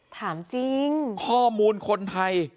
ถามจริงข้อมูลคนไทย